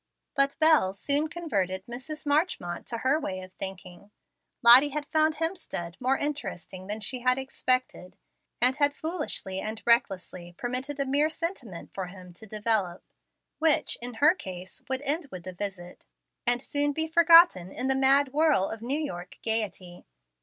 But Bell soon converted Mrs. Marchmont to her way of thinking. Lottie had found Hemstead more interesting than she had expected, and had foolishly and recklessly permitted a mere sentiment for him to develop, which, in her case, would end with the visit, and soon be forgotten in the mad whirl of New York gayety.